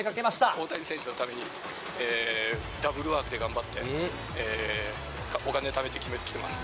大谷選手のために、ダブルワークで頑張って、お金ためて来てます。